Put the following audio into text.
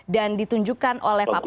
dan ditunjukkan oleh para elit